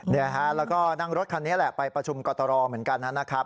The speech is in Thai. เนี่ยฮะแล้วก็นั่งรถคันนี้แหละไปประชุมกตรเหมือนกันนะครับ